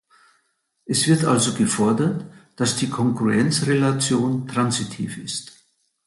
Es wird also gefordert, dass die Kongruenz-Relation transitiv ist.